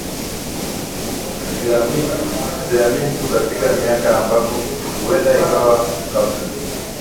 vya Witu katika miaka ambapo huenda ikawa kabla